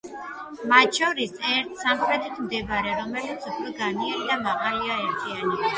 მათ შორის ერთ, სამხრეთით მდებარე, რომელიც უფრო განიერი და მაღალია, ერთიანია.